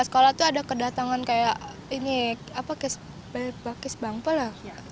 sekolah tuh ada kedatangan kayak ini apa kes bepakis bangpa lah